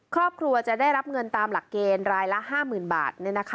ครอบครัวจะได้รับเงินตามหลักเกณฑ์รายละ๕๐๐๐บาท